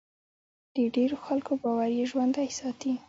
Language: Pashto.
د ډېرو خلکو باور یې ژوندی ساتي.